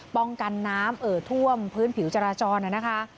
ป้องกันน้ำเอ่อท่วมพื้นผิวจราจรนะคะ